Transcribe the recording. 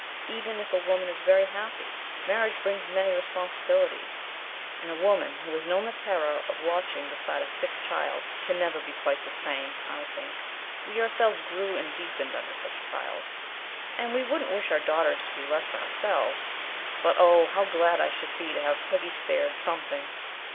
Even if a woman is very happy, marriage brings many responsibilities, and a woman who has known the terror of watching beside a sick child can never be quite the same, I think. We ourselves grew and deepened under such trials, and we wouldn't wish our daughters to be less than ourselves; but, oh, how glad I should be to have Peggy spared some things!